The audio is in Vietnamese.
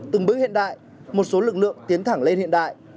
từng bước hiện đại một số lực lượng tiến thẳng lên hiện đại